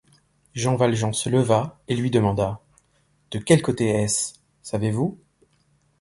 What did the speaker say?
Jean Valjean se leva, et lui demanda: — De quel côté est-ce? savez-vous ?